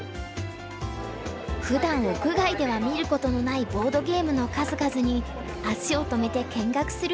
ふだん屋外では見ることのないボードゲームの数々に足を止めて見学する人も。